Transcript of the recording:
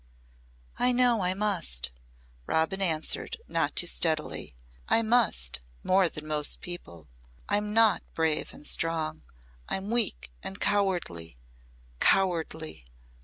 "I know I must," Robin answered not too steadily. "I must more than most people. I'm not brave and strong. I'm weak and cowardly cowardly."